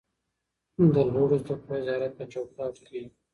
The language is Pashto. د لوړو زده کړو وزارت په چوکاټ کې